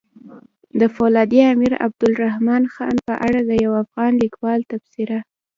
د فولادي امير عبدالرحمن خان په اړه د يو افغان ليکوال تبصره!